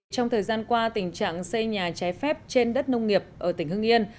trong thời gian qua tình trạng xây nhà trái phép trên đất nông nghiệp ở tỉnh hưng yên